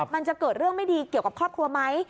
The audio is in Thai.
มันจะเกิดเรื่องไม่ดีเกี่ยวกับครอบครัวไหม